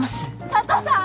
佐都さん